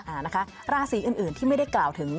อ่านะคะราศีอื่นที่ไม่ได้กล่าวถึง